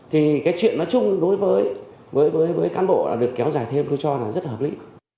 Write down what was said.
thì cái chuyện nói chung đối với cán bộ là được kéo dài thêm tôi cho là rất hợp lý